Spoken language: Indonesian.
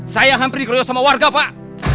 saya hampir digeroyok sama warga pak